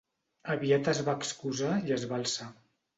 Aviat es va excusar i es va alçar.